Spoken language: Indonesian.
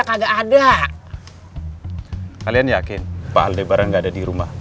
kalian yakin pak aldebaran gak ada di rumah